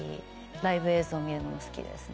ライブ映像を見るのも好きです。